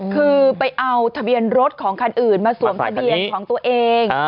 คือไปเอาทะเบียนรถของคันอื่นมาสวมทะเบียนของตัวเอง